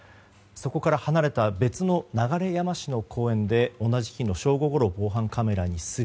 そこから離れた別の流山市の公園で同じ日の正午ごろ防犯カメラに姿。